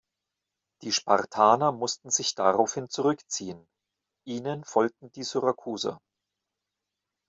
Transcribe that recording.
Die Spartaner mussten sich daraufhin zurückziehen, ihnen folgten die Syrakuser.